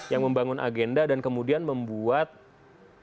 yang membangun agenda dan kemudian membuat kebijakan